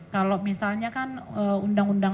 kalau misalnya kan undang undang